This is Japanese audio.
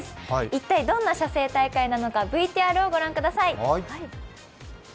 一体どんな写生大会なのかＶＴＲをご覧ください。